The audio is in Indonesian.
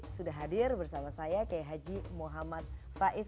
sudah hadir bersama saya k h m faiz